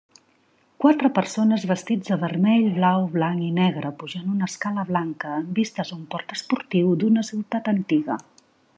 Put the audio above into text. Quatre persones vestits de vermell, blau, blanc i negre pujant una escala blanca amb vistes a un port esportiu d'una ciutat antiga